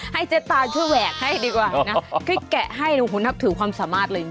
ให้เจ๊ตาช่วยแหวกให้ดีกว่านะคุณแกะให้คุณครับถือความสามารถเลย